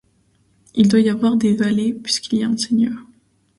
Il doit y avoir des valets, puisqu’il y a un seigneur.